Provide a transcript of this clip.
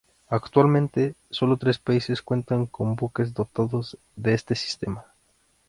Actualmente, sólo tres países cuentan con buques dotados de este sistema.